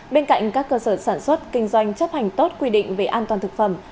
bên cạnh các cơ sở sản xuất kinh doanh chấp hành tốt quy định về an toàn thực phẩm